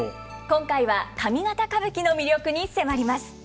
今回は上方歌舞伎の魅力に迫ります。